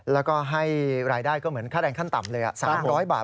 และให้รายได้ค่าแรงขั้นต่ำเลย๓๐๐บาท